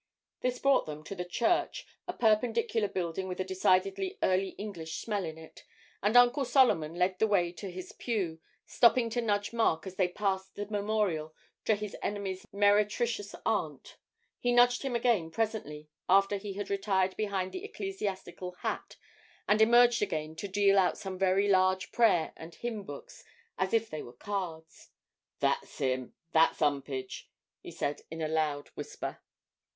This brought them to the church, a perpendicular building with a decidedly 'Early English' smell in it, and Uncle Solomon led the way to his pew, stopping to nudge Mark as they passed the memorial to his enemy's meretricious aunt; he nudged him again presently, after he had retired behind the ecclesiastical hat and emerged again to deal out some very large prayer and hymn books as if they were cards. 'That's him that's 'Umpage,' he said in a loud whisper.